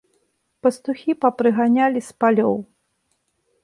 Пастухі папрыганялі з палёў.